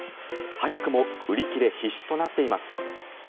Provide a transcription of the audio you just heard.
早くも売り切れ必至となっています。